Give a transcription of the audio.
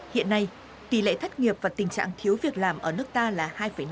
hiện nay tỷ lệ thất nghiệp và tình trạng thiếu việc làm ở nước ta là hai năm